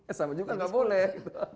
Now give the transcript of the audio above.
eh sama juga nggak boleh